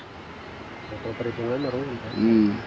kalau perhitungannya rugi